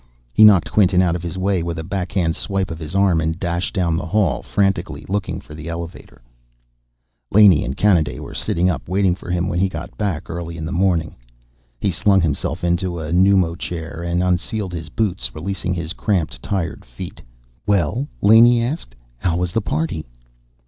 He knocked Quinton out of his way with a backhand swipe of his arm and dashed down the hall frantically, looking for the elevator. Laney and Kanaday were sitting up waiting for him when he got back, early in the morning. He slung himself into a pneumochair and unsealed his boots, releasing his cramped, tired feet. "Well," Laney asked. "How was the party?"